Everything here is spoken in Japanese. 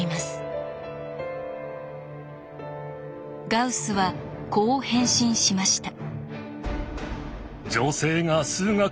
ガウスはこう返信しました。